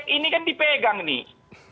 ini kan dipegang nih